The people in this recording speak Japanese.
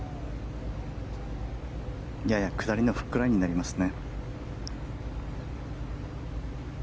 やや下りのフックラインになりますね。